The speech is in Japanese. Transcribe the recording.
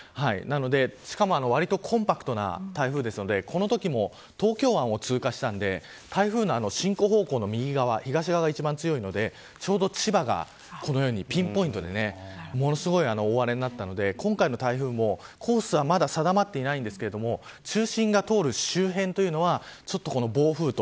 しかも、わりとコンパクトな台風ですのでこのときも東京湾を通過したので台風の進行方向の右側東側が一番強いのでちょうど千葉がこのようにピンポイントでものすごい大荒れになったので今回の台風もコースはまだ定まっていませんが中心が通る周辺というのは暴風と。